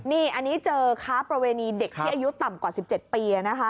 นี่อันนี้เจอค้าประเวณีเด็กที่อายุต่ำกว่า๑๗ปี